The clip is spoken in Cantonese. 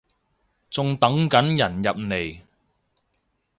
仲等緊人入嚟